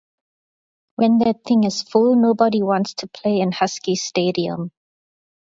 When that thing is full nobody wants to play in Huskie Stadium.